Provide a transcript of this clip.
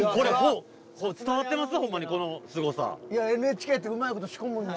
ＮＨＫってうまいこと仕込むんやな。